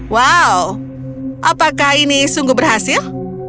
wow apakah ini sungguh berhasil